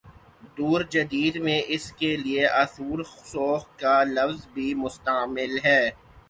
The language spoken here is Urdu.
دور جدید میں اس کے لیے" اثرورسوخ کا لفظ بھی مستعمل ہے۔